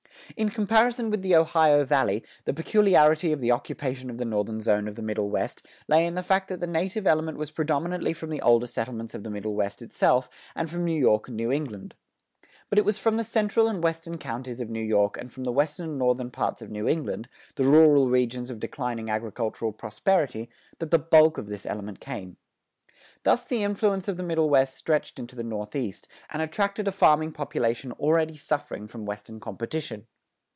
In comparison with the Ohio Valley, the peculiarity of the occupation of the northern zone of the Middle West, lay in the fact that the native element was predominantly from the older settlements of the Middle West itself and from New York and New England. But it was from the central and western counties of New York and from the western and northern parts of New England, the rural regions of declining agricultural prosperity, that the bulk of this element came. Thus the influence of the Middle West stretched into the Northeast, and attracted a farming population already suffering from western competition.